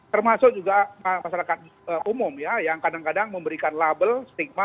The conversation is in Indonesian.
termasuk juga masyarakat umum ya yang kadang kadang memberikan label stigma